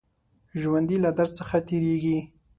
ژوندي له درد څخه تېرېږي